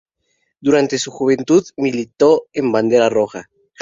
Durante su juventud militó en Bandera Roja.